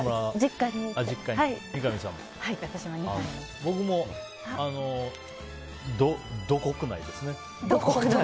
僕もド国内ですね。